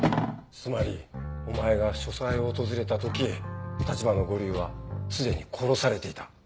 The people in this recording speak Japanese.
つまりお前が書斎を訪れた時橘五柳は既に殺されていた。